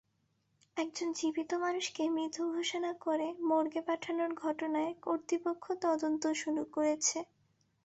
একজন জীবিত মানুষকে মৃত ঘোষণা করে মর্গে পাঠানোর ঘটনায় কর্তৃপক্ষ তদন্ত শুরু করেছে।